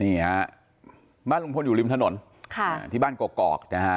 นี่ฮะบ้านลุงพลอยู่ริมถนนค่ะที่บ้านกอกนะฮะ